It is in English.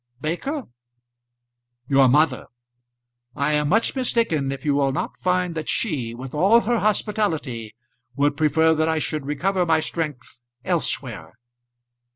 "Baker?" "Your mother. I am much mistaken if you will not find that she, with all her hospitality, would prefer that I should recover my strength elsewhere."